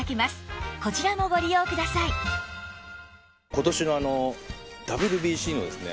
今年のＷＢＣのですね